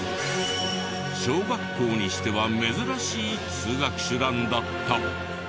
小学校にしては珍しい通学手段だった。